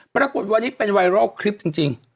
ปรากฏวันนี้เป็นไวรัลคลิปจริง